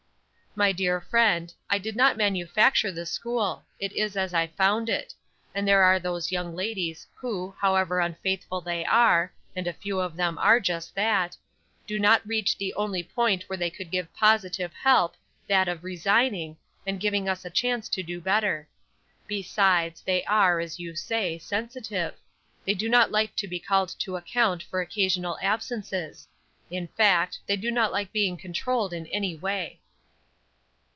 "My dear friend, I did not manufacture the school; it is as I found it; and there are those young ladies, who, however unfaithful they are and a few of them are just that do not reach the only point where they could give positive help, that of resigning, and giving us a chance to do better. Besides, they are, as you say, sensitive; they do not like to be called to account for occasional absences; in fact, they do not like being controlled in any way."